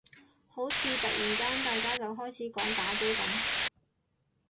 好似突然間大家就開始講打機噉